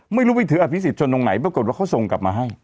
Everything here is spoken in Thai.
ไม่รู้ไปถืออภิษฎชนตรงไหนปรากฏว่าเขาส่งกลับมาให้